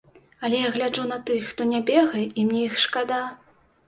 Але я гляджу на тых, хто не бегае, і мне іх шкада.